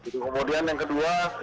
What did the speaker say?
kemudian yang kedua